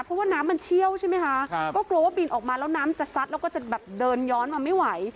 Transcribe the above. เพราะว่าน้ำมันเชี่ยวใช่ไหมคะก็กลัวว่าบินออกมาแล้วน้ำจะซัดแล้วก็จะแบบเดินย้อนมาไม่ไหว